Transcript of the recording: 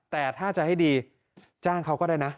แต่ถ้าจะให้ดีจ้างเขาก็ได้นะ